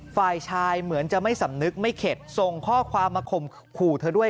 ฝ่ายชายเหมือนจะไม่สำนึกไม่เข็ดส่งข้อความมาข่มขู่เธอด้วย